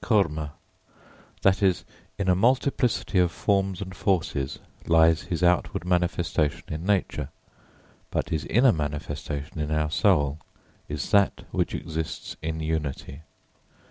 ] He is Vishvakarma; that is, in a multiplicity of forms and forces lies his outward manifestation in nature; but his inner manifestation in our soul is that which exists in unity.